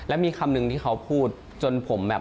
แล้วมีคำหนึ่งที่เขาพูดจนผมแบบ